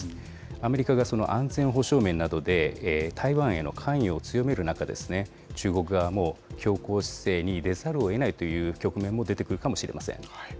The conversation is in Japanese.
アメリカがその安全保障面などで台湾への関与を強める中、中国側も強硬姿勢に出ざるをえないという局面も出てくるかもしれません。